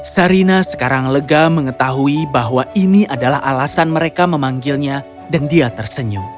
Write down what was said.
sarina sekarang lega mengetahui bahwa ini adalah alasan mereka memanggilnya dan dia tersenyum